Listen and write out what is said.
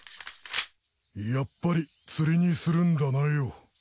やっぱり釣りにするんだなよ。